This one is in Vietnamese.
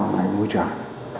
máy môi trường